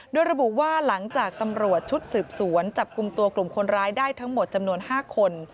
โดยระบุว่าหลังจากตำรวจชุดสืบสวนจับกลุ่มตัวกลุ่มคนร้ายได้ทั้งหมดจำนวน๕คน